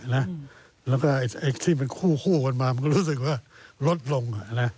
แล้วก็ที่มันคู่กันมามันก็รู้สึกว่าลดลง